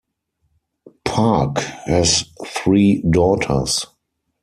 Park has three daughters.